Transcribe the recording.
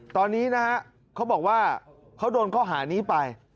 ตอนนี้นะฮะเขาบอกว่าเขาโดนข้อหานี้ไป